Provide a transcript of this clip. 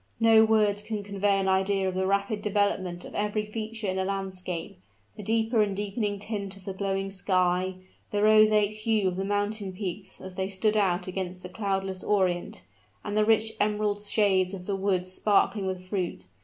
No words can convey an idea of the rapid development of every feature in the landscape, the deeper and deepening tint of the glowing sky, the roseate hue of the mountain peaks as they stood out against the cloudless orient, and the rich emerald shades of the woods sparkling with fruit.